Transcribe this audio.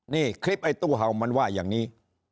นี่คลิปไอ้ตู้เห่ามันว่าอย่างนี้